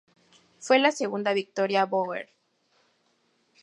Fue la segunda victoria bóer.